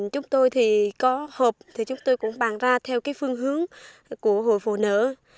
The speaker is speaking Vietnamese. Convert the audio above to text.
chúng tôi thì có hộp thì chúng tôi cũng bàn ra theo phương hướng của hội phụ nữ